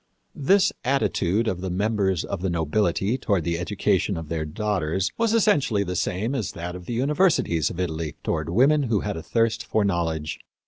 " This attitude of the members of the nobility toward the education of their daughters was essentially the same as that of the universities of Italy toward women who had a thirst for knowledge.